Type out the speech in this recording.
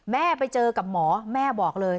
แม่ไปเจอกับหมอแม่บอกเลย